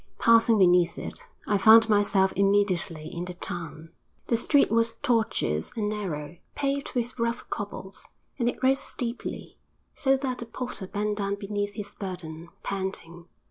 Passing beneath it, I found myself immediately in the town. The street was tortuous and narrow, paved with rough cobbles; and it rose steeply, so that the porter bent lower beneath his burden, panting.